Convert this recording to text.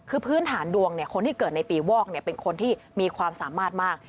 คือพื้นฐานดวงคนที่เกิดในปีวอกเป็นคนที่มีความสามารถมาก